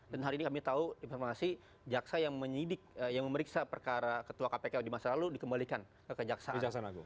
dan hari ini kami tahu informasi jaksa yang menyidik yang memeriksa perkara ketua kpk di masa lalu dikembalikan ke jaksa